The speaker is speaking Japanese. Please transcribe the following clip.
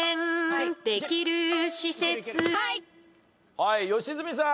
はい良純さん。